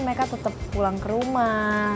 mereka tetap pulang ke rumah